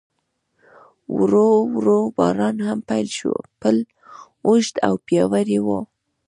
ورو ورو باران هم پیل شو، پل اوږد او پیاوړی و.